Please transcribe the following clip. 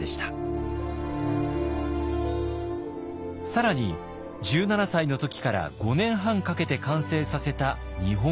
更に１７歳の時から５年半かけて完成させた日本地図。